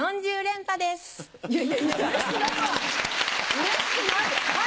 うれしくない！